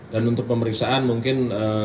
dan untuk pemeriksaan mungkin